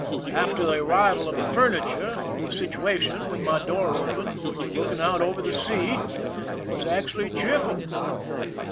After the arrival of the furniture, the situation, with my door open, look ing out c^ver the sea, was actually cheerful.